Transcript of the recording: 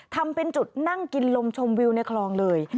ทำเป็นจุดนั่งกินลมชมวิวในคลองเลย